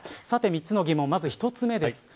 さて３つの疑問まず１つ目です。